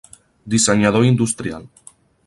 Dissenyador industrial.